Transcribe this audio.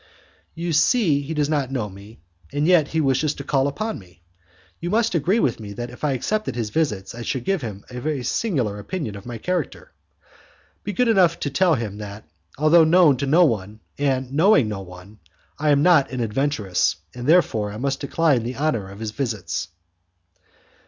"You see he does not know me, and yet he wishes to call on me. You must agree with me that if I accepted his visits I should give him a singular opinion of my character. Be good enough to tell him that, although known to no one and knowing no one, I am not an adventuress, and therefore I must decline the honour of his visits."